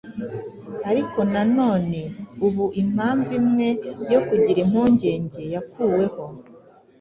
Ariko noneho ubu impamvu imwe yo kugira impungenge yakuweho.